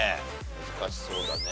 難しそうだね。